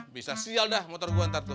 bisa sial dah motor gue ntar tuh